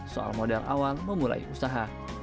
soal modal awal memulai usaha